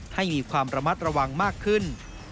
ให้มีความระมัดระวังมากขึ้น